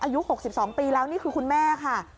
อายุ๖๒ปีแล้วนี่คือคุณแม่ค่ะ